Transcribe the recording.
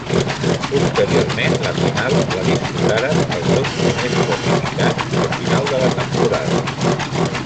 Posteriorment la final la disputaren els dos primers classificats al final de la temporada.